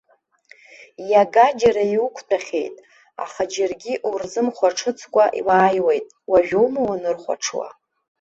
Иагаџьара иуқәтәахьеит, аха џьаргьы урзымхәаҽыцкәа уааиуеит, уажәоума уанырхәаҽуа?